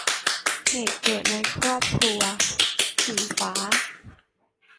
เหตุเกิดในครอบครัว - สีฟ้า